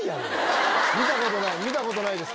見たことないです